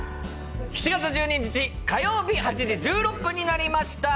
７月１２日火曜日８時１６分になりました